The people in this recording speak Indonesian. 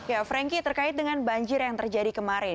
ya franky terkait dengan banjir yang terjadi kemarin